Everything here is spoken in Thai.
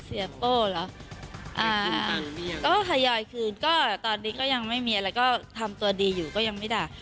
โป้เหรออ่าก็ทยอยคืนก็ตอนนี้ก็ยังไม่มีอะไรก็ทำตัวดีอยู่ก็ยังไม่ด่า